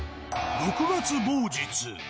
６月某日。